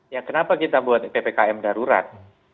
ya kenapa kita buat ppkm darurat